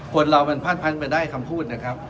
คนเรามันพรรดีก้มก็ได้